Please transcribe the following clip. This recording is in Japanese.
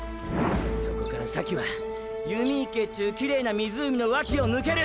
そこから先は弓池っちゅうキレーな湖の脇をぬける。